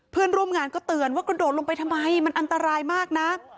เพื่อนร่วมงานก็เตือนว่ากระโดดลงไปทำไมมันอันตรายมากนะ